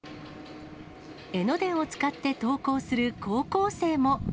江ノ電を使って登校する高校生も。